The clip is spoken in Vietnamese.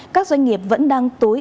các doanh nghiệp vẫn đang tối ảnh